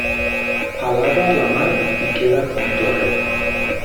Alaba la mar i queda't en torre.